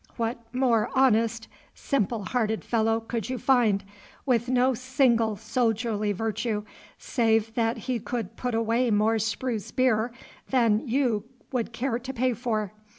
What more honest, simple hearted fellow could you find, with no single soldierly virtue, save that he could put away more spruce beer than you would care to pay for.